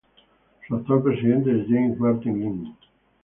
Su actual presidente es James Marty Lim.